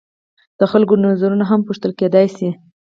د خلکو نظرونه هم پوښتل کیدای شي.